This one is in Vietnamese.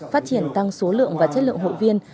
phát triển tăng số lượng và chất lượng hội viên